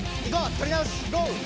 とり直しゴー！